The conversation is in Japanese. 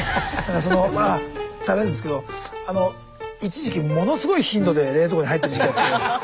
まあ食べるんですけど一時期ものすごい頻度で冷蔵庫に入ってる時期があって。